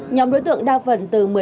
nhóm đối tượng đa phần từ một mươi năm